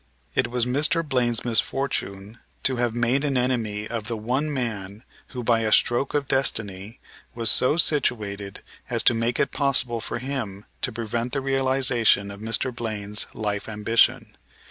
It was Mr. Blaine's misfortune to have made an enemy of the one man who, by a stroke of destiny, was so situated as to make it possible for him to prevent the realization of Mr. Blaine's life ambition.